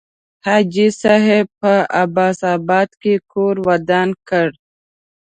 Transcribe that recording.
حاجي صاحب په عباس آباد کې کور ودان کړ.